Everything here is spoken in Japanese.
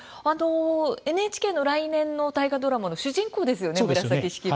ＮＨＫの来年の大河ドラマの主人公ですよね紫式部。